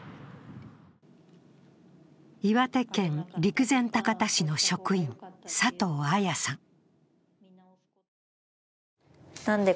岩手県陸前高田市の職員、佐藤綾さん。